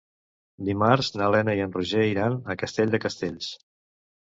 Dimarts na Lena i en Roger iran a Castell de Castells.